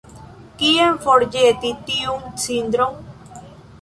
Kien forĵeti tiun cindron?